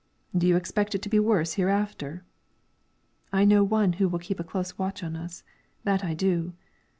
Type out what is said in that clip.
"Do you expect it to be worse hereafter?" "I know one who will keep a close watch on us that I do."